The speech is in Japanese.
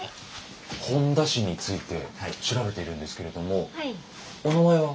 本田氏について調べているんですけれどもお名前は？